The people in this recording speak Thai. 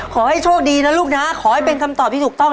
ขอให้โชคดีนะลูกนะขอให้เป็นคำตอบที่ถูกต้อง